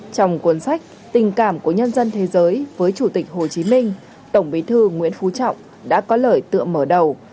trong cuốn sách tình cảm của nhân dân thế giới với chủ tịch hồ chí minh tổng bí thư nguyễn phú trọng đã có lời tựa mở đầu